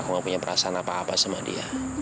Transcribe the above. aku ga punya perasaan apa apa sama dia